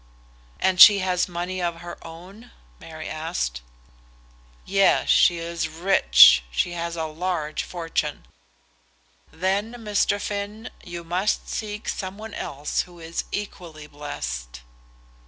"And she has money of her own?" Mary asked. "Yes; she is rich. She has a large fortune." "Then, Mr. Finn, you must seek some one else who is equally blessed."